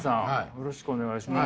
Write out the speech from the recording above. よろしくお願いします。